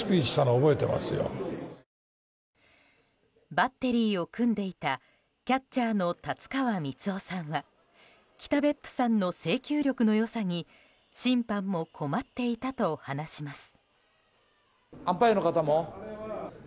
バッテリーを組んでいたキャッチャーの達川光男さんは北別府さんの制球力の良さに審判も困っていたと話します。